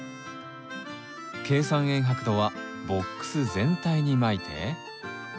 珪酸塩白土はボックス全体にまいて。